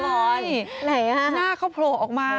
อ๋อมีไงหน้าเข้าโผล่ออกมา